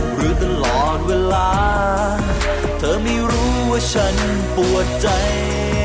หรือตลอดเวลาเธอไม่รู้ว่าฉันปวดใจ